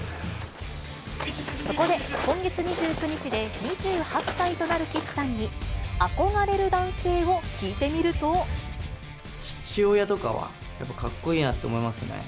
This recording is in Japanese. そこで今月２９日で２８歳となる岸さんに、憧れる男性を聞いてみ父親とかは、やっぱかっこいいなって思いますね。